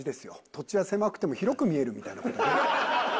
土地は狭くても広く見えるみたいな事。